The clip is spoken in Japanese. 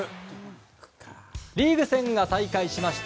リーグ戦が再開しました。